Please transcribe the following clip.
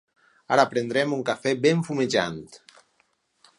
Ara prendrem un cafè ben fumejant.